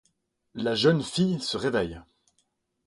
La jeune fille se réveille.